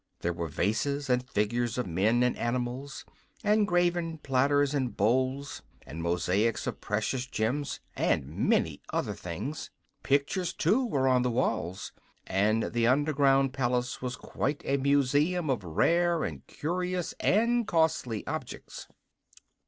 There were vases, and figures of men and animals, and graven platters and bowls, and mosaics of precious gems, and many other things. Pictures, too, were on the walls, and the underground palace was quite a museum of rare and curious and costly objects.